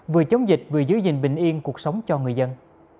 vừa chống dịch vừa giữ gìn bình yên cuộc sống cho người dân